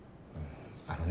あのね。